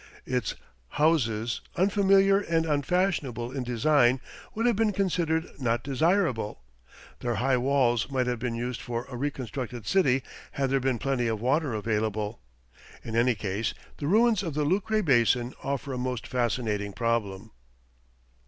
Its houses, unfamiliar and unfashionable in design, would have been considered not desirable. Their high walls might have been used for a reconstructed city had there been plenty of water available. In any case, the ruins of the Lucre Basin offer a most fascinating problem.